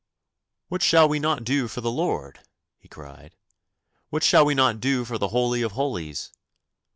'What shall we not do for the Lord?' he cried; 'what shall we not do for the Holy of Holies?